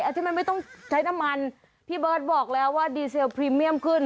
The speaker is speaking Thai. ที่มันไม่ต้องใช้น้ำมันพี่เบิร์ตบอกแล้วว่าดีเซลพรีเมียมขึ้น